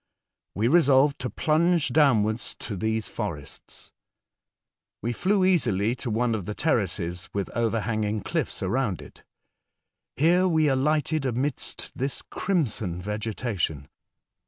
We resolved to plunge downwards to these forests. We flew easily to one of the terraces with overhanging cliffs around it. Here we alighted amidst this crimson vegetation.